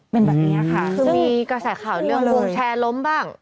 เป็นแบบนี้ค่ะคือมีกระแสข่าวเรื่องวงแชร์ล้มบ้าง